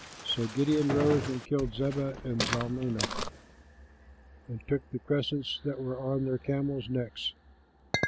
So Gideon rose and killed Zebah and Zalmunna, and took the crescents that were on their camels' necks.